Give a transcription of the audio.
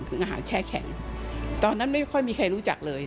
อาหารแช่แข็งตอนนั้นไม่ค่อยมีใครรู้จักเลย